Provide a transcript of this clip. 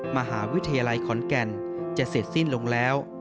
มหาวิทยาลัยขอนแก่นจะเสร็จสิ้นลงแล้ว